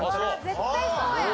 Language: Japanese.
絶対そうやん！